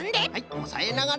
おさえながら。